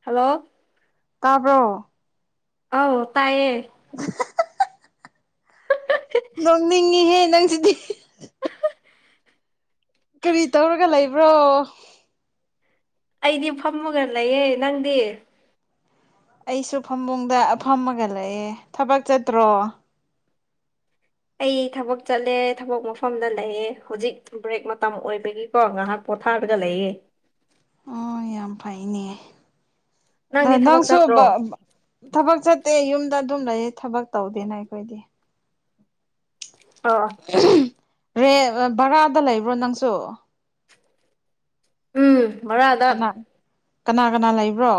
hello ꯇꯥꯕ꯭ꯔꯣ ꯑꯧ ꯇꯥꯏꯌꯦ [unintelligible] ꯅꯣꯡꯅꯤꯡꯉꯤꯍꯦ ꯅꯪꯁꯤꯗꯤ ꯀꯔꯤ ꯇꯧꯔꯒ ꯂꯩꯕ꯭ꯔꯣ ꯑꯩꯗꯤ ꯐꯝꯃꯒ ꯂꯩꯌꯦ ꯅꯪꯗꯤ ꯑꯩꯁꯨ ꯐꯝꯕꯨꯡꯗ ꯑ ꯐꯝꯃꯒ ꯂꯑꯦ ꯊꯕꯛ ꯆꯠꯇ꯭ꯔꯣ ꯑꯩ ꯊꯕꯛ ꯆꯠꯂꯦ ꯊꯕꯛ ꯃꯐꯝꯗ ꯂꯩꯌꯦꯦ ꯍꯧꯖꯤꯛ ꯕ꯭ꯔꯦꯛ ꯃꯇꯝ ꯑꯣꯏꯕꯒꯤ ꯀꯣ ꯉꯥꯏꯍꯥꯛ ꯄꯣꯊꯥꯕꯗ ꯂꯩꯌꯦꯦ ꯑꯣ ꯌꯥꯝ ꯐꯩꯅꯦ ꯅꯪꯗꯤ ꯊꯕꯛ ꯅꯪꯁꯨ ꯆꯠꯇ꯭ꯔꯣ ꯊꯕꯛ ꯆꯠꯇꯦ ꯌꯨꯝꯗ ꯑꯗꯨꯝ ꯂꯩꯌꯦ ꯊꯕꯛ ꯇꯧꯗꯦꯅ ꯑꯩꯈꯣꯏꯗꯤ ꯑꯣ ꯔꯦ ꯕꯔꯥꯗ ꯂꯩꯕ꯭ꯔꯣ ꯅꯪꯁꯨ ꯎꯝ ꯃꯔꯔꯗ ꯀꯅꯥ ꯀꯅꯥ ꯀꯅꯥ ꯂꯩꯕ꯭ꯔꯣ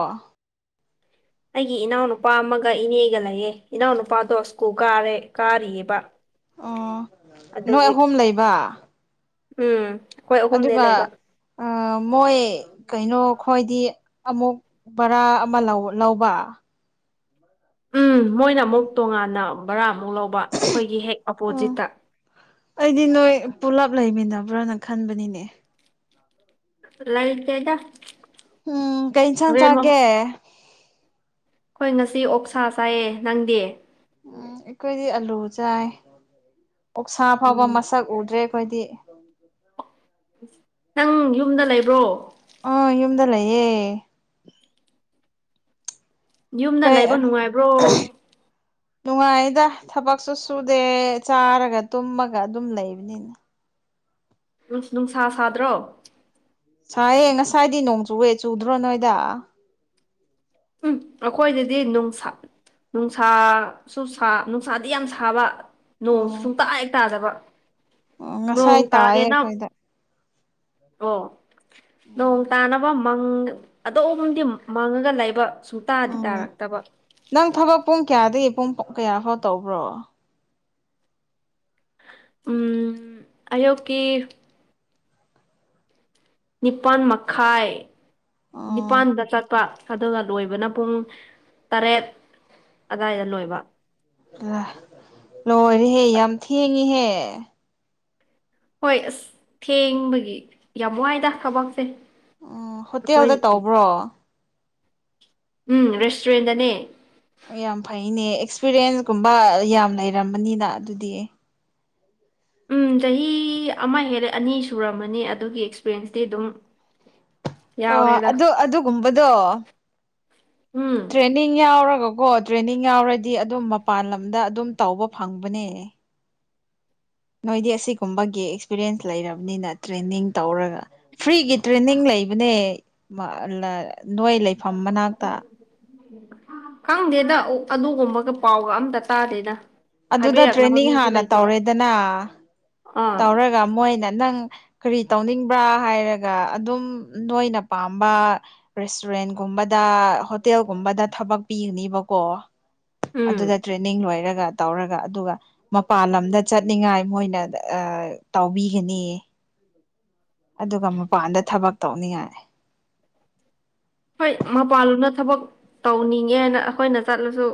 ꯑꯩꯒꯤ ꯏꯅꯥꯎꯅꯨꯄꯥ ꯑꯃꯒ ꯏꯅꯦꯒ ꯂꯩꯌꯦ ꯏꯅꯥꯎꯅꯨꯄꯥꯗꯣ ꯁ꯭ꯀꯨꯜ ꯀꯥꯔꯦ ꯀꯥꯔꯤꯑꯕ ꯑꯣ ꯅꯣꯏ ꯑꯍꯨꯝ ꯂꯩꯕ ꯎꯝ ꯑꯍꯨꯝꯅꯦ ꯑꯗꯨꯒ ꯂꯩꯕ ꯃꯣꯏ ꯀꯩꯅꯣ ꯈꯣꯏꯗꯤ ꯑꯃꯨꯛ ꯕꯔꯥ ꯑꯃ ꯂꯧ ꯂꯧꯕ ꯎꯝ ꯃꯣꯏꯅ ꯑꯃꯨꯛ ꯇꯣꯉꯥꯟꯅ ꯕꯔꯥꯃꯨꯛ ꯂꯧꯕ ꯑꯩꯈꯣꯏꯒꯤ ꯍꯦꯛ ꯑꯣ ꯑꯣꯄꯣꯖꯤꯠꯇ ꯑꯩꯗꯤ ꯅꯣꯏ ꯄꯨꯂꯞ ꯂꯩꯃꯤꯟꯅꯕ꯭ꯔꯅ ꯈꯟꯕꯅꯤꯅꯦ ꯂꯥꯏ ꯀ ꯀꯩꯗ ꯎꯝ ꯀ ꯏꯟꯁꯥꯡ ꯆꯥꯒꯦ ꯍꯣꯏ ꯉꯁꯤ ꯑꯣꯛꯁꯥ ꯆꯥꯏꯌꯦ ꯅꯪꯗꯤ ꯎꯝ ꯑꯩꯈꯣꯏꯗꯤ ꯑꯂꯨ ꯆꯥꯏ ꯑꯣꯛꯁꯥ ꯐꯥꯎꯕ ꯎꯝ ꯃꯁꯛ ꯎꯗ꯭ꯔꯦ ꯑꯩꯈꯣꯏꯗꯤ ꯅꯪ ꯌꯨꯝꯗ ꯂꯩꯕ꯭ꯔꯣ ꯑ ꯌꯨꯝꯗ ꯂꯩꯌꯦ ꯌꯨꯝꯗ ꯀꯩ ꯂꯩꯕ ꯅꯨꯡꯉꯥꯏꯕ꯭ꯔꯣ ꯅꯨꯡꯉꯥꯏꯗ ꯊꯕꯛꯁꯨ ꯁꯨꯗꯦ ꯆꯥꯔꯒ ꯇꯨꯝꯃꯒ ꯑꯗꯨꯝ ꯂꯩꯕꯅꯤꯅ ꯅꯨꯡꯁꯥ ꯁꯥꯗ꯭ꯔꯣ ꯁꯥꯏꯌꯦ ꯉꯁꯥꯏꯗꯤ ꯅꯣꯡꯆꯨꯋꯦ ꯆꯨꯗ꯭ꯔꯣ ꯅꯣꯏꯗ ꯎꯝ ꯑꯩꯈꯣꯏꯗꯗꯤ ꯅꯨꯡꯁꯥ ꯅꯨꯡꯁꯥꯁꯨ ꯁꯨꯁꯥ ꯅꯨꯡꯁꯥꯗꯤ ꯌꯥꯝ ꯁꯥꯕ ꯅꯣꯡꯁꯨ ꯑꯣ ꯁꯨꯡꯇꯥꯛ ꯍꯦꯛ ꯇꯥꯗꯕ ꯑꯣ ꯅꯣꯡ ꯉꯁꯥꯏ ꯇꯥꯒꯦ ꯇꯥꯏꯌꯦ ꯅꯪ ꯑꯩꯈꯣꯏꯗ ꯑꯣ ꯅꯣꯡ ꯎꯝ ꯇꯥꯅꯕ ꯃꯪ ꯑꯗꯣꯝꯗꯤ ꯃꯪꯉꯒ ꯂꯩꯕ ꯁꯨ ꯇꯥꯗꯤ ꯑꯣ ꯇꯥꯔꯛꯇꯕ ꯅꯪ ꯊꯕꯛ ꯄꯨꯡ ꯀꯌꯥꯗꯒꯤ ꯄꯨꯡ ꯀꯌꯥ ꯐꯥꯎ ꯇꯧꯕ꯭ꯔꯣ ꯎꯝ ꯑꯌꯨꯛꯀꯤ ꯅꯤꯄꯥꯜ ꯃꯈꯥꯏ ꯑꯣ ꯅꯤꯄꯥꯜꯗ ꯆꯠꯄ ꯑꯗꯨꯒ ꯂꯣꯏꯕꯅ ꯄꯨꯡ ꯇꯔꯦꯠ ꯑꯏꯗ ꯂꯣꯏꯕ ꯂꯣꯏꯔꯦꯍꯦ ꯌꯥꯝ ꯊꯦꯡꯉꯍꯦ ꯍꯣꯏ ꯑꯁ ꯊꯦꯡꯕꯒꯤ ꯌꯥꯝ ꯅꯨꯡꯉꯥꯏꯗ ꯀꯕꯥꯛꯁꯦ ꯎꯝ ꯍꯣꯇꯦꯜꯗ ꯇꯧꯕ꯭ꯔꯣ ꯎꯝ ꯔꯦꯁꯇꯨꯔꯦꯟꯗꯅꯦ ꯌꯥꯝ ꯐꯩꯅꯦ ꯑꯦꯛꯁꯄꯤꯔꯤꯟꯁ ꯀꯨꯝꯕ ꯌꯥꯝ ꯂꯩꯔꯝꯕꯅꯤꯅ ꯑꯗꯨꯗꯤ ꯎꯝ ꯆꯍꯤ ꯑꯃ ꯍꯦꯜꯂꯦ ꯑꯅꯤ ꯁꯨꯔꯝꯃꯅꯤ ꯑꯗꯨꯒꯤ ꯑꯦꯛꯁꯄꯔꯌꯦꯟꯁꯇꯤ ꯑꯗꯨꯝ ꯑꯣ ꯌꯥꯎꯔꯦꯗ ꯑꯗꯨ ꯑꯗꯨꯒꯨꯝꯕꯗꯣ ꯎꯝ ꯇ꯭ꯔꯦꯅꯤꯡ ꯌꯥꯎꯔꯒꯀꯣ ꯇ꯭ꯔꯦꯅꯤꯡ ꯌꯥꯎꯔꯗꯤ ꯑꯗꯨꯝ ꯃꯄꯥꯟ ꯂꯝꯗ ꯑꯗꯨꯝ ꯇꯧꯕ ꯐꯪꯕꯅꯦ ꯅꯣꯏꯗꯤ ꯑꯁꯤꯒꯨꯝꯕꯒꯤ ꯑꯦꯛꯁꯄꯤꯔꯤꯌꯦꯟꯁ ꯂꯩꯔꯕꯅꯤꯅ ꯇ꯭ꯔꯦꯟꯅꯤꯡ ꯇꯧꯔꯒ ꯐ꯭ꯔꯤꯒꯤ ꯇ꯭ꯔꯦꯟꯅꯤꯡ ꯂꯩꯕꯅꯦ ꯅꯣꯏ ꯂꯩꯐꯝ ꯃꯅꯥꯛꯇ ꯈꯪꯗꯦꯗ ꯑꯗꯨꯒꯨꯝꯕꯒ ꯄꯥꯎꯒ ꯑꯝꯇ ꯇꯥꯗꯦꯗ ꯑꯗꯨꯗ ꯍꯥꯏꯕꯤꯔꯛꯅꯕ ꯇ꯭ꯔꯦꯅꯤꯡ ꯃꯤꯁꯨ ꯍꯥꯟꯅ ꯂꯩꯇꯦ ꯇꯧꯔꯦꯗꯅ ꯑꯥ ꯇꯧꯔꯒ ꯃꯣꯏꯅ ꯅꯪ ꯀꯔꯤ ꯇꯧꯅꯤꯡꯕ꯭ꯔꯥ ꯍꯥꯏꯔꯒ ꯑꯗꯨꯝ ꯅꯣꯏꯅ ꯄꯥꯝꯕ ꯔꯦꯁꯇꯨꯔꯦꯟꯒꯨꯝꯕꯗ ꯍꯣꯇꯦꯜꯒꯨꯝꯕꯗ ꯊꯕꯛ ꯄꯤꯒꯅꯤꯕꯀꯣ ꯎꯝ ꯑꯗꯨꯗ ꯇ꯭ꯔꯦꯅꯤꯡ ꯂꯣꯏꯔꯒ ꯇꯧꯔꯒ ꯑꯗꯨꯒ ꯃꯄꯥꯟ ꯂꯝꯗ ꯆꯠꯅꯤꯡꯉꯥꯏ ꯃꯣꯏꯅ ꯇꯥꯎꯕꯤꯒꯅꯤ ꯑꯗꯨꯒ ꯃꯄꯥꯟꯗ ꯊꯕꯛ ꯇꯧꯅꯤꯡꯉꯥꯏ ꯍꯣꯏ ꯃꯄꯥꯟꯂꯨꯅ ꯊꯕꯛ ꯇꯧꯅꯤꯡꯉꯦ ꯍꯥꯏꯅ ꯑꯩꯈꯣꯏꯅ ꯆꯠꯂꯁꯨ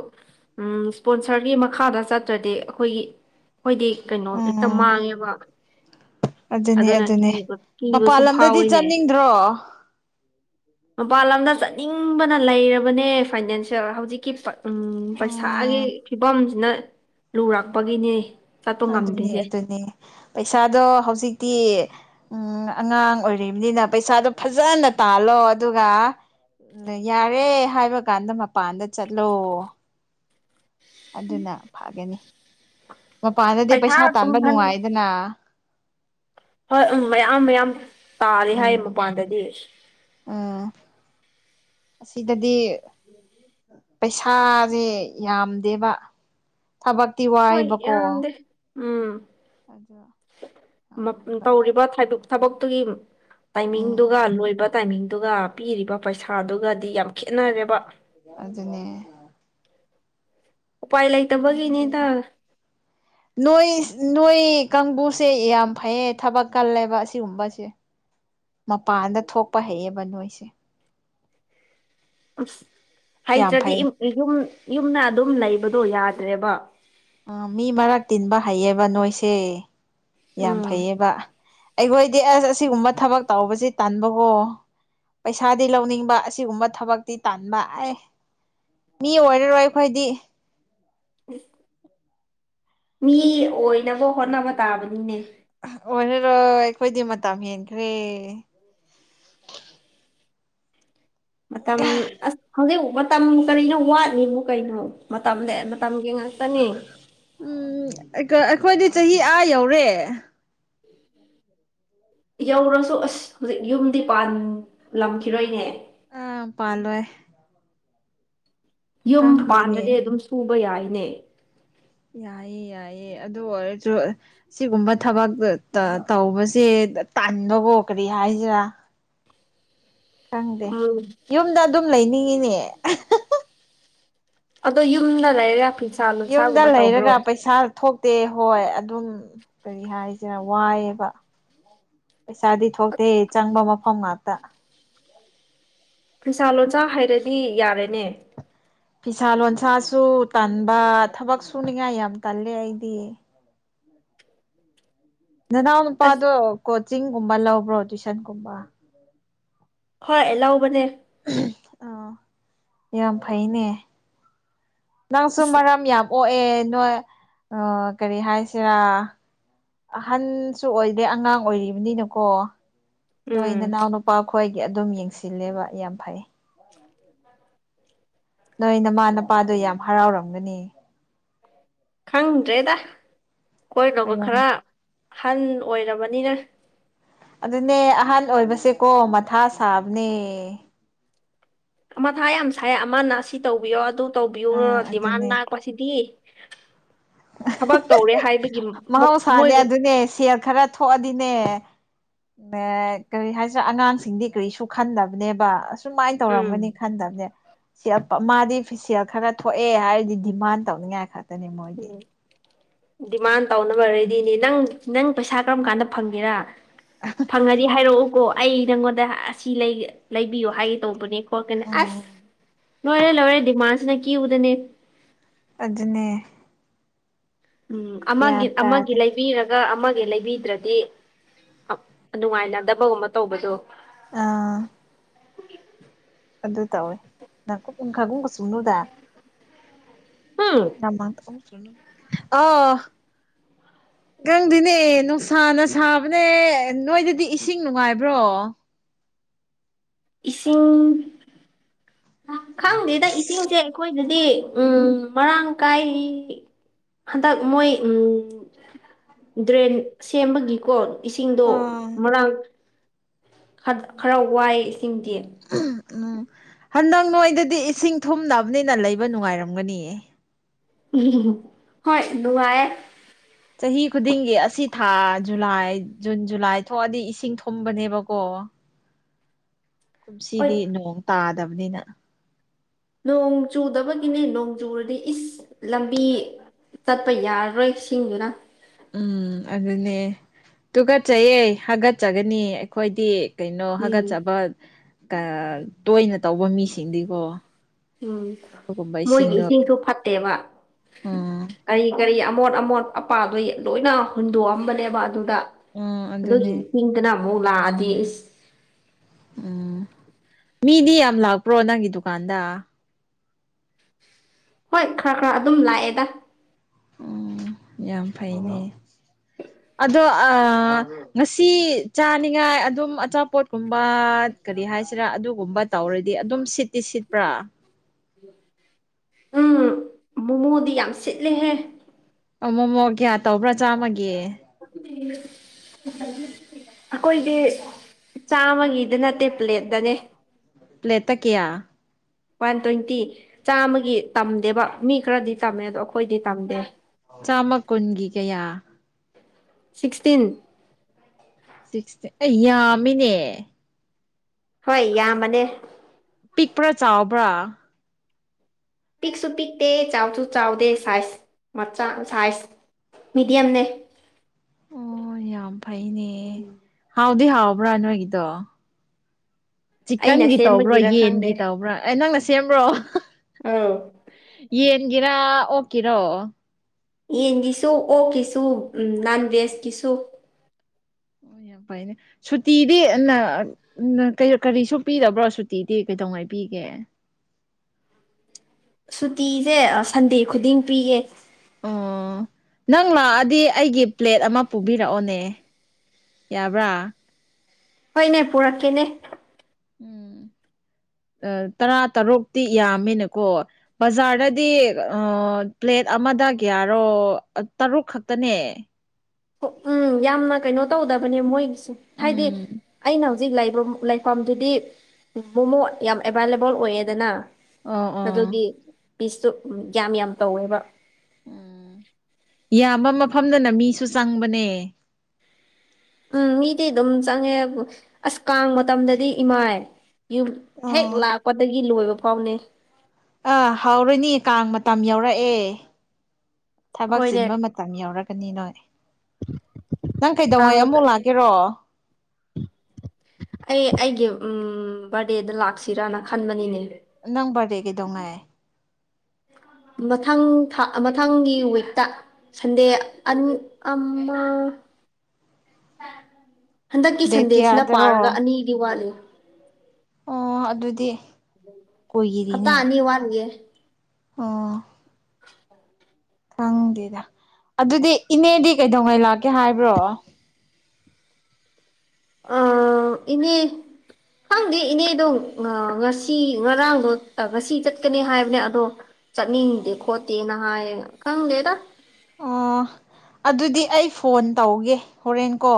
ꯏꯁ꯭ꯄꯣꯟꯁꯔꯒꯤ ꯃꯈꯥꯗ ꯆꯠꯇ꯭ꯔꯗꯤ ꯑꯩꯈꯣꯏꯒꯤ ꯑꯩꯈꯣꯏꯗꯤ ꯀꯩꯅꯣ ꯍꯦꯛꯇ ꯎꯝ ꯃꯥꯡꯉꯦꯕ ꯑꯗꯨꯅꯦ ꯑꯗꯨꯅ ꯀꯤꯕ ꯀꯤꯕꯁꯨ ꯐꯥꯎꯋꯤꯅꯦ ꯇ꯭ꯔꯣ ꯃꯄꯥꯟ ꯂꯝꯗ ꯆꯠꯅꯤꯡꯕꯅ ꯂꯩꯔꯕꯅꯦ ꯐꯥꯏꯅꯥꯟꯁꯦꯜ ꯍꯧꯖꯤꯛꯀꯤ ꯎꯝ ꯄꯩꯁꯥꯒꯤ ꯎꯝ ꯐꯤꯕꯝꯁꯤꯅ ꯂꯨꯔꯛꯄꯒꯤꯅꯦ ꯆꯠꯄ ꯑꯗꯨꯅꯤ ꯉꯝꯗ꯭ꯔꯤꯁꯦ ꯑꯗꯨꯅꯤ ꯄꯩꯁꯥꯗꯣ ꯍꯧꯖꯤꯛꯇꯤ ꯎꯝ ꯑꯉꯥꯡ ꯑꯣꯏꯔꯤꯕꯅꯤꯅ ꯄꯩꯁꯥꯗꯣ ꯐꯖꯅ ꯇꯥꯜꯂꯣ ꯑꯗꯨꯒ ꯌꯥꯔꯦ ꯍꯥꯏꯕ ꯀꯥꯟꯗ ꯃꯄꯥꯟꯗ ꯆꯠꯂꯣ ꯑꯗꯨꯅ ꯐꯒꯅꯤ ꯃꯄꯥꯟꯗꯗꯤ ꯄꯩꯁꯥ ꯇꯥꯟꯕ ꯅꯨꯡꯉꯥꯏꯗꯅ ꯍꯣꯏ ꯎꯝ ꯃꯌꯥꯝ ꯃꯌꯥꯝ ꯇꯥꯔꯦ ꯍꯥꯏꯌꯦ ꯎꯝ ꯃꯄꯥꯟꯗꯗꯤ ꯎꯝ ꯑꯁꯤꯗꯗꯤ ꯄꯩꯁꯥꯁꯦ ꯌꯥꯝꯗꯦꯕ ꯊꯕꯛꯇꯤ ꯍꯣꯏ ꯋꯥꯏꯕꯀꯣ ꯌꯥꯝꯗꯦ ꯎꯝ ꯑꯗꯣ ꯌꯥꯝꯗꯦꯕ ꯇꯧꯔꯤꯕ ꯊꯕꯛꯇꯨꯒꯤ ꯎꯝ ꯇꯥꯏꯃꯤꯡꯗꯨꯒ ꯂꯣꯏꯕ ꯇꯥꯏꯃꯤꯡꯗꯨꯒ ꯄꯤꯔꯤꯕ ꯄꯩꯁꯥꯗꯨꯒꯗꯤ ꯌꯥꯝ ꯈꯦꯠꯅꯔꯦꯕ ꯑꯗꯨꯅꯦ ꯎꯄꯥꯏ ꯂꯩꯇꯕꯒꯤꯅꯤꯗ [unintelligible] ꯅꯣꯏ ꯅꯣꯏ ꯀꯥꯡꯕꯨꯁꯦ ꯌꯥꯝ ꯐꯩꯌꯦ ꯊꯕꯛ ꯀꯜꯂꯦꯕ ꯑꯁꯤꯒꯨꯝꯕꯁꯦ ꯃꯄꯥꯟꯗ ꯊꯣꯛꯄ ꯍꯩꯌꯦꯕ ꯅꯣꯏꯁꯦ ꯑꯁ ꯌꯥꯝ ꯍꯩꯇ꯭ꯔꯗꯤ ꯐꯩ ꯌꯨꯝ ꯌꯨꯝꯅ ꯑꯗꯨꯝ ꯂꯩꯕꯗꯣ ꯌꯥꯗ꯭ꯔꯦꯕ ꯑ ꯃꯤ ꯃꯔꯛ ꯇꯤꯟꯕ ꯍꯩꯌꯦꯕ ꯅꯣꯏꯁꯦ ꯌꯥꯝ ꯎꯝ ꯐꯩꯌꯦꯕ ꯑꯩꯈꯣꯏꯗꯤ ꯑꯁ ꯑꯁꯤꯒꯨꯝꯕ ꯊꯕꯛ ꯇꯧꯕꯁꯤ ꯇꯥꯟꯕꯀꯣ ꯄꯩꯁꯥꯗꯤ ꯂꯧꯅꯤꯡꯕ ꯑꯁꯤꯒꯨꯝꯕ ꯊꯕꯛꯇꯤ ꯇꯟꯕ ꯑꯦ ꯃꯤ ꯑꯣꯏꯔꯔꯣꯏ ꯑꯩꯈꯣꯏꯗꯤ [inaudible] ꯃꯤ ꯑꯣꯏꯅꯕ ꯍꯣꯠꯅꯕ ꯇꯥꯕꯅꯤꯅꯦ ꯑꯣꯏꯔꯔꯣꯏ ꯑꯩꯈꯣꯏꯗꯤ ꯃꯇꯝ ꯍꯦꯟꯈ꯭ꯔꯦ ꯃꯇꯝ ꯑꯁ ꯍꯧꯖꯤꯛ ꯃꯇꯝ ꯀꯔꯤꯅ ꯋꯥꯠꯂꯤꯕꯨ ꯀꯩꯅꯣ ꯃꯇꯝ ꯃꯇꯝꯒꯤ ꯉꯥꯛꯇꯅꯤ ꯎꯝ ꯑꯩꯈꯣꯏꯗꯤ ꯆꯍꯤ ꯑꯥ ꯌꯧꯔꯦ ꯌꯧꯔꯁꯨ ꯑꯁ ꯍꯧꯖꯤꯛ ꯌꯨꯝꯗꯤ ꯄꯥꯟꯂꯝꯈꯤꯔꯣꯏꯅꯦ ꯑ ꯄꯥꯜꯂꯣꯏ ꯌꯨꯝ ꯈꯪꯗꯦꯅꯦ ꯄꯥꯟꯗ꯭ꯔꯗꯤ ꯑꯗꯨꯝ ꯁꯨꯕ ꯌꯥꯏꯅꯦ ꯌꯥꯏꯌꯦ ꯌꯥꯏꯌꯦ ꯑꯗꯨ ꯑꯣꯏꯔꯁꯨ ꯁꯤꯒꯨꯝꯕ ꯊꯕꯛꯇ ꯇꯧꯕꯁꯦ ꯇꯟꯕꯀꯣ ꯀꯔꯤ ꯍꯥꯏꯁꯤꯔꯥ ꯈꯪꯗꯦ ꯎꯝ ꯌꯨꯝꯗ ꯑꯗꯨꯝ ꯂꯩꯅꯤꯡꯉꯤꯅꯦ ꯑꯗꯣ ꯌꯨꯝꯗ ꯂꯩꯔ ꯐꯤ ꯌꯨꯝꯗ ꯂꯩꯔꯒ ꯄꯩꯁꯥ ꯊꯣꯛ ꯇꯦ ꯍꯣꯏ ꯑꯗꯨꯝ ꯀꯔꯤ ꯍꯥꯏꯁꯤꯔ ꯋꯥꯏꯑꯦꯕ ꯄꯩꯁꯥꯗꯤ ꯊꯣꯛꯇꯦ ꯆꯪꯕ ꯃꯐꯝ ꯉꯥꯛꯇ ꯐꯤꯁꯥ ꯂꯣꯟꯁꯥ ꯍꯩꯔꯗꯤ ꯌꯥꯔꯦꯅꯦ ꯐꯤꯁꯥ ꯂꯣꯟꯁꯥꯁꯨ ꯇꯟꯕ ꯊꯕꯛ ꯁꯨꯅꯤꯉꯥꯏ ꯌꯥꯝ ꯇꯜꯂꯦ ꯑꯩꯗꯤ ꯅꯅꯥꯎꯅꯨ ꯑꯁ ꯄꯥꯗꯣ ꯀꯣꯆꯤꯡꯒꯨꯝꯕ ꯂꯧꯕ꯭ꯔꯣ ꯇꯨꯏꯁꯟꯒꯨꯝꯕ ꯍꯣꯏ ꯂꯧꯕꯅꯦ ꯑꯥ ꯌꯥꯝ ꯐꯩꯅꯦ ꯅꯪꯁꯨ ꯑꯁ ꯃꯔꯝ ꯌꯥꯝ ꯑꯣꯛꯑꯦ ꯅꯣꯏ ꯀꯔꯤ ꯍꯥꯏꯁꯤꯔꯥ ꯑꯍꯟꯁꯨ ꯑꯣꯏꯗꯦ ꯑꯉꯥꯡ ꯑꯣꯏꯔꯤꯕꯅꯤꯅꯀꯣ ꯅꯣꯏ ꯎꯝ ꯅꯅꯥꯎ ꯅꯨꯄꯥ ꯈꯈꯣꯏꯒꯤ ꯑꯗꯨꯝ ꯌꯦꯡꯁꯤꯜꯂꯦꯕ ꯌꯥꯝ ꯐꯩ ꯅꯣꯏ ꯅꯃꯥ ꯅꯄꯥꯗꯣ ꯌꯥꯝ ꯍꯔꯥꯎꯔꯝꯒꯅꯤ ꯈꯪꯗ꯭ꯔꯦꯗ ꯈꯣꯏꯅꯕꯨ ꯑꯣꯏꯔꯝ ꯈꯔ ꯑꯍꯟ ꯑꯣꯏꯔꯕꯅꯤꯅ ꯑꯗꯨꯅꯦ ꯑꯍꯜ ꯑꯣꯏꯕꯁꯦꯀꯣ ꯃꯊꯥ ꯁꯥꯕꯅꯦ ꯃꯊꯥ ꯌꯥꯝ ꯁꯥꯏ ꯑꯃꯅ ꯁꯤ ꯇꯧꯕꯤꯌꯣ ꯑꯗꯨ ꯇꯧꯕꯤꯌꯣ ꯑ ꯗꯤꯃꯥꯟ ꯑꯗꯨꯅꯦ ꯂꯥꯛꯄꯁꯤ ꯁꯤꯗꯤ ꯊꯕꯛ ꯇꯧꯔꯦ ꯍꯥꯏꯕꯒꯤ ꯃꯣꯏꯒꯨꯝ ꯅꯦ ꯁꯦꯟ ꯈꯔ ꯊꯣꯛꯑꯗꯤꯅꯦ ꯅꯦ ꯀꯔꯤ ꯍꯥꯏꯁꯤꯔꯥ ꯑꯉꯥꯡꯁꯤꯡꯗꯤ ꯀꯔꯤꯁꯨ ꯈꯟꯗꯕꯅꯦꯕ ꯑꯁ ꯁꯨꯃꯥꯏ ꯎꯝ ꯇꯧꯔꯝꯒꯅꯤ ꯈꯟꯗꯕꯅꯦ [unintelligible] ꯃꯥꯗꯤ ꯁꯦꯜ ꯈꯔ ꯊꯣꯛꯑꯦ ꯍꯥꯏꯔꯗꯤ ꯗꯤꯃꯥꯟ ꯇꯧꯅꯤꯡꯉꯥꯏ ꯈ- ꯎꯝ ꯗꯤꯃꯥꯟ ꯇꯧꯅꯕ ꯔꯦꯗꯤꯅꯤ ꯅꯪ ꯅꯪ ꯄꯩꯁꯥ ꯀꯔꯝ ꯀꯥꯟꯗ ꯐꯪꯒꯦꯔꯥ ꯐꯪꯉꯗꯤ ꯍꯥꯏꯔꯛꯎꯀꯣ ꯑꯩ ꯅꯪꯉꯣꯟꯗ ꯑꯁꯤ ꯂꯩ ꯂꯩꯕꯤꯌꯣ ꯍꯥꯏꯒꯦ ꯇꯧꯕꯅꯦ ꯀꯅꯦ ꯑꯁ ꯎꯝ ꯂꯣꯏꯔꯦ ꯂꯣꯏꯔꯦ ꯗꯤꯃꯥꯟꯁꯤꯅ ꯀꯤꯎꯗꯅꯦ ꯑꯗꯨꯅꯦ ꯎꯝ ꯑꯃꯒꯤ ꯒ꯭ꯌꯥꯟ ꯑꯃꯒꯤ ꯇꯥꯗꯦ ꯂꯩꯕꯤꯔ ꯒ ꯑꯃꯒꯤ ꯂꯩꯕꯤꯗ꯭ꯔꯗꯤ ꯅꯨꯡꯉꯥꯏꯅꯗꯕꯒꯨꯝꯕ ꯇꯧꯕꯗꯣ ꯑꯥ ꯑꯗꯨ ꯇꯧꯋꯦ [unintelligible] [unintelligible] ꯑ ꯅꯪꯗꯨꯅꯦ ꯅꯨꯡꯁꯥꯅ ꯁꯥꯕꯅꯦ ꯅꯣꯏꯗꯗꯤ ꯏꯁꯤꯡ ꯅꯨꯡꯉꯥꯏꯕ꯭ꯔꯣ ꯏꯁꯤꯡ ꯈꯪꯗꯦꯗ ꯆꯤꯡꯁꯦ ꯑꯩꯈꯣꯏꯗꯗꯤ ꯎ ꯃꯔꯥꯡ ꯀꯥꯏ ꯍꯟꯗꯛ ꯃꯣꯏ ꯗ꯭ꯔꯦꯟ ꯁꯦꯝꯕꯒꯤꯀꯣ ꯏꯁꯤꯡꯗꯣ ꯑꯥ ꯃꯔꯥꯡ ꯈꯔ ꯋꯥꯏꯑꯦ ꯏꯁꯤꯡꯗꯤ ꯎꯝ ꯍꯟꯗꯛ ꯅꯣꯏꯗꯗꯤ ꯏꯁꯤꯡ ꯊꯨꯝꯅꯕꯅꯤꯅ ꯂꯩꯕ ꯅꯨꯡꯉꯥꯏꯔꯝꯒꯅꯤꯌꯦ ꯍꯣꯏ ꯂꯅꯨꯡꯉꯥꯏ ꯆꯍꯤ ꯈꯨꯗꯤꯡꯒꯤ ꯑꯁꯤ ꯊꯥ ꯖꯨꯂꯥꯏ ꯖꯨꯟ ꯖꯨꯂꯥꯏ ꯊꯣꯛꯑꯗꯤ ꯏꯁꯤꯡ ꯊꯨꯝꯕꯅꯦꯕꯀꯣ ꯍꯣꯏ ꯀꯨꯝꯁꯤꯗꯤ ꯅꯣꯡ ꯇꯥꯗꯕꯅꯤꯅ ꯅꯣꯡ ꯆꯨꯗꯕꯒꯤꯅꯦ ꯅꯣꯡ ꯆꯨꯔꯗꯤ ꯏꯁ ꯂꯝꯕꯤ ꯆꯠꯄ ꯌꯥꯔꯔꯣꯏ ꯁꯤꯡꯗꯨꯅ ꯎꯝ ꯑꯗꯨꯅꯦ ꯇꯨꯀꯠꯆꯌꯦꯦ ꯍꯥꯒꯠꯆꯒꯅꯤ ꯑꯩꯈꯣꯏꯗꯤ ꯀꯩꯅꯣ ꯎꯝ ꯍꯥꯒꯠꯆꯕ ꯇꯣꯏꯅ ꯇꯧꯕ ꯃꯤꯁꯤꯡꯗꯤꯀꯣ ꯎꯝ ꯑꯗꯨꯒꯨꯝꯕ ꯃꯣꯏꯒꯤ ꯏꯁꯤꯡꯗꯣ ꯏꯁꯤꯡꯁꯨ ꯐꯠꯇꯦꯕ ꯎꯝ ꯀꯔꯤ ꯀꯔꯤ ꯑꯃꯣꯠ ꯑꯃꯣꯠ ꯑꯄꯥꯗꯣ ꯂꯣꯏꯅ ꯍꯨꯟꯗꯣꯛꯑꯝꯕꯅꯦꯕ ꯑꯗꯨꯗ ꯑꯗꯨꯒꯤ ꯑꯗꯨꯅꯦ ꯄꯤꯡꯗꯅ ꯑꯃꯨꯛ ꯂꯥꯛꯑꯗꯤ ꯎꯝ ꯃꯤꯗꯤ ꯌꯥꯝ ꯂꯥꯛꯄ꯭ꯔꯣ ꯅꯪꯒꯤ ꯗꯨꯀꯥꯟꯗ ꯍꯣꯏ ꯈꯔ ꯈꯔ ꯑꯗꯨꯝ ꯂꯥꯛꯑꯦꯗ ꯎꯝ ꯌꯥꯝ ꯐꯩꯅꯦ ꯑꯗꯣ ꯑ ꯉꯁꯤ ꯆꯥꯅꯤꯡꯉꯥꯏ ꯑꯗꯨꯝ ꯑꯆꯥꯄꯣꯠꯀꯨꯝꯕ ꯀꯔꯤ ꯍꯥꯏꯁꯤꯔꯥ ꯑꯗꯨꯒꯨꯝꯕ ꯇꯧꯔꯗꯤ ꯑꯗꯨꯝ ꯁꯤꯠꯇꯤ ꯁꯤꯠꯄ꯭ꯔꯥ ꯎꯝ ꯃꯣꯃꯣꯗꯤ ꯌꯥꯝ ꯁꯤꯠꯂꯦꯍꯦ ꯃꯣꯃꯣ ꯀꯌꯥ ꯇꯧꯕ꯭ꯔꯥ ꯆꯥꯝꯃꯒꯦ ꯑꯩꯈꯣꯏꯒꯤ ꯆꯥꯃꯒ ꯏ ꯅ ꯇꯦ ꯄ꯭ꯂꯦꯟ ꯂ꯭ꯂꯦꯇ ꯀꯌꯥ ꯋꯥꯟ ꯇ꯭ꯋꯦꯟꯇꯤ ꯆꯥꯃꯒꯤ ꯇꯝꯗꯦꯕ ꯃꯤ ꯈꯔꯗꯤ ꯇꯝꯃꯦ ꯑꯗꯣ ꯑꯩꯈꯣꯏꯗꯤ ꯇꯝꯗꯦ ꯆꯥꯝꯃ ꯀꯨꯟꯒꯤ ꯀꯌꯥ ꯁꯤꯛꯁꯇꯤꯟ ꯁꯤꯛꯁꯇꯤ ꯑꯩ ꯌꯥꯝꯃꯤꯅꯦ ꯍꯣꯏ ꯌꯥꯝꯃꯅꯦ ꯄꯤꯛꯄ꯭ꯔꯥ ꯆꯥꯎꯕ꯭ꯔꯥ ꯄꯤꯛꯁꯨ ꯄꯤꯛꯇꯦ ꯆꯥꯎꯁꯨ ꯆꯥꯎꯗꯦ ꯁꯥꯏꯖ ꯃꯆꯥ ꯁꯥꯏꯖ ꯃꯤꯦꯗꯤꯌꯝꯅꯦ ꯑꯣ ꯌꯥꯝ ꯐꯩꯅꯦ ꯍꯥꯎꯗꯤ ꯍꯥꯎꯕ꯭ꯔꯥ ꯅꯣꯏꯒꯤꯗꯣ ꯑꯩꯅ ꯆꯤꯛꯀꯟꯒꯤ ꯇꯧꯕ꯭ꯔꯣ ꯁꯦꯝꯕꯒꯤꯔ ꯈꯪꯗꯦ ꯌꯦꯟꯒꯤ ꯇꯧꯕ꯭ꯔꯣ ꯑꯦ ꯅꯪꯅ ꯁꯦꯝꯕ꯭ꯔꯣ ꯑꯥꯎ ꯌꯦꯡꯒꯤꯦꯔꯥ ꯑꯣꯀꯤꯔꯣ ꯌꯦꯟꯒꯤꯁꯨ ꯑꯣꯛꯀꯤꯁꯨ ꯅꯅꯥꯟ ꯚꯦꯖꯀꯤꯁꯨ ꯑꯣ ꯌꯥꯝ ꯐꯥꯏꯅꯦ ꯁꯨꯇꯤꯗꯤ ꯀꯔꯤꯁꯨ ꯄꯤꯗꯕ꯭ꯔꯣ ꯁꯨꯇꯤꯗꯤ ꯀꯩꯗꯧꯉꯥꯏ ꯄꯤꯒꯦ ꯁꯨꯇꯤꯁꯦ ꯁꯟꯗꯦ ꯈꯨꯗꯤꯡ ꯄꯤꯌꯦ ꯑꯣ ꯅꯪ ꯂꯥꯛꯑꯗꯤ ꯑꯩꯒꯤ ꯄ꯭ꯂꯦꯠ ꯑꯃ ꯄꯨꯕꯤꯔꯛꯑꯣꯅꯦ ꯌꯥꯕ꯭ꯔꯥ ꯍꯣꯏꯅꯦ ꯄꯨꯔꯛꯀꯦꯅꯦ ꯎꯝ ꯇꯔꯥ ꯇꯔꯨꯛꯇꯤ ꯌꯥꯝꯃꯦꯅꯀꯣ ꯕꯖꯥꯔꯗꯗꯤ ꯄ꯭ꯂꯦꯠ ꯑꯃꯗ ꯌꯥꯔꯣ ꯇꯔꯨꯛ ꯈꯛꯇꯅꯦ ꯍꯣ- ꯎꯝ ꯌꯥꯝꯅ ꯀꯩꯅꯣ ꯇꯧꯗꯕꯅꯦ ꯃꯣꯏꯒꯤ ꯍꯥꯏꯗꯤ ꯎꯝ ꯑꯩꯅ ꯍꯧꯖꯤꯛ ꯂꯩꯐꯝꯗꯨꯗꯤ ꯃꯣꯃꯣ ꯌꯥꯝ ꯑꯦꯕꯥꯏꯂꯦꯕꯜ ꯑꯣꯏꯌꯦꯗꯅ ꯑꯣ ꯑꯣ ꯑꯗꯨꯒꯤ ꯄꯤꯁꯇꯨ ꯌꯥꯝ ꯌꯥꯝ ꯇꯧꯋꯦꯕ ꯎꯝ ꯏꯌꯥꯝꯕ ꯃꯐꯝꯗꯅ ꯃꯤꯁꯨ ꯆꯪꯕꯅꯦ ꯎꯝ ꯃꯤꯗꯤ ꯑꯗꯨꯝ ꯆꯪꯉꯦ ꯑꯁ ꯀꯥꯡ ꯃꯇꯝꯗꯗꯤ ꯏꯃꯥꯏ ꯌꯨꯝ ꯍꯦꯛ ꯑꯥ ꯂꯥꯛꯄꯗꯒꯤ ꯂꯣꯏꯕ ꯐꯥꯎꯅꯦ ꯑꯥ ꯍꯧꯔꯨꯅꯤ ꯀꯥꯡ ꯃꯇꯝ ꯌꯥꯎꯔꯛꯑꯦ ꯊꯕꯛ ꯑꯩꯈꯣꯏꯅꯦ ꯆꯤꯟꯕ ꯪ ꯌꯥꯎꯔꯒꯅꯤ ꯅꯣꯏ ꯅꯪ ꯀꯥꯡ ꯀꯩꯗꯧꯉꯩ ꯑꯃꯨꯛ ꯃꯇꯝ ꯂꯥꯛꯀꯦꯔꯣ ꯑꯩ ꯑꯩꯒꯤ ꯕꯥꯔꯗꯦꯗ ꯂꯥꯛꯁꯤꯔꯅ ꯈꯟꯕꯅꯤꯅꯦ ꯅꯪ ꯔꯗꯦ ꯀꯩꯗꯧꯅꯦ ꯃꯊꯪ ꯊꯥ ꯃꯊꯪꯒꯤ ꯋꯤꯛꯇ ꯁꯟꯗꯦ ꯑꯟ ꯑꯃ [inaudible] ꯍꯟꯗꯛꯀꯤ ꯗꯦꯠ ꯁꯟꯗꯦꯁꯤꯅ ꯀꯌꯥꯗꯔꯣ ꯄꯥꯔꯒ ꯑꯅꯤꯗꯤ ꯋꯥꯠꯂꯤ ꯑ ꯑꯗꯨꯗꯤ ꯑꯇꯥꯅꯤ ꯋꯥꯔꯒꯦ ꯑꯥ [inaudible] ꯈꯪꯗꯦꯗ ꯑꯗꯨꯗꯤ ꯏꯅꯦꯗꯤ ꯀꯩꯗꯧꯉꯩ ꯂꯥꯛꯀꯦ ꯍꯥꯏꯕ꯭ꯔꯣ ꯑ ꯏꯅꯦ ꯈꯪꯗꯦ ꯏꯅꯦꯗꯣ ꯉꯁꯤ ꯉꯔꯥꯡꯗꯣ ꯉꯁꯤ ꯆꯠꯀꯅꯤ ꯍꯥꯏꯕꯅꯦ ꯑꯗꯣ ꯆꯠꯅꯤꯡꯗꯦ ꯈꯣꯠꯇꯦꯅ ꯍꯥꯏꯌꯦꯅ ꯈꯪꯗꯦꯗ ꯑꯣ ꯑꯗꯨꯗꯤ ꯑꯩ ꯐꯣꯟ ꯇꯧꯒꯦ ꯍꯣꯔꯦꯟ ꯀꯣ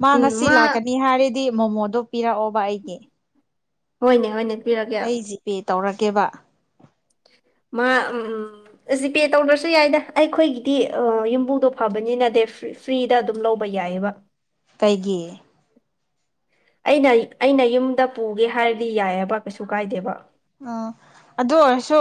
ꯃꯥ ꯉꯁꯤ ꯂꯥꯛꯀꯅꯤ ꯍꯥꯏꯔꯗꯤ ꯃꯣꯃꯣꯗꯣ ꯄꯤꯔꯛꯑꯣꯕ ꯑꯩꯒꯤ ꯍꯣꯏꯅꯦ ꯍꯅꯦ ꯑꯩ ꯖꯤꯄꯦ ꯇꯧꯔꯒꯦꯕ ꯃꯥ ꯎꯝ ꯎꯝ ꯖꯤꯄꯦ ꯇꯧꯗ꯭ꯔꯁꯨ ꯌꯥꯏꯗ ꯑꯩꯈꯣꯏꯒꯤꯗꯤ ꯌꯨꯝꯕꯨꯗꯣ ꯐꯕꯅꯤꯅ ꯗꯦ ꯐ꯭ꯔꯤ ꯐ꯭ꯔꯤꯗ ꯑꯗꯨꯝ ꯂꯧꯕ ꯌꯥꯏꯑꯕ ꯀꯩꯒꯤ ꯑꯩꯅ ꯑꯩꯅ ꯌꯨꯝꯗ ꯄꯨꯒꯦ ꯍꯥꯏꯔꯗꯤ ꯌꯥꯏꯑꯕ ꯀꯩꯁꯨ ꯀꯥꯏꯗꯦꯕ ꯎ ꯑꯗꯨ ꯑꯣꯏꯔꯁꯨ